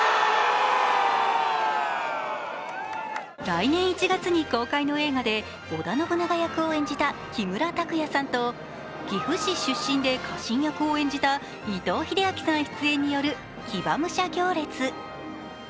来年１月に公開の映画で織田信長役を演じた木村拓哉さんと、岐阜市出身で家臣役を演じた伊藤英明さん出演による騎馬武者行列。